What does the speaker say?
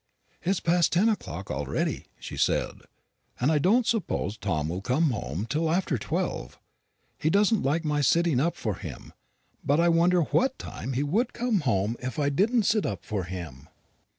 "It's past ten o'clock already," she said, "and I don't suppose Tom will be home till after twelve. He doesn't like my sitting up for him; but I wonder what time he would come home if I didn't sit up for him?"